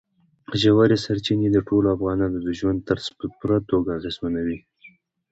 ژورې سرچینې د ټولو افغانانو د ژوند طرز په پوره توګه اغېزمنوي.